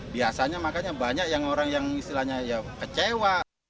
biasanya makanya banyak yang orang yang istilahnya ya kecewa